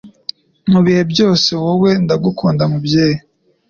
Mubihe byose wowe ndagukunda mubyeyi